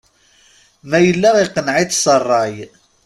Ma yella iqneɛ-itt s rray.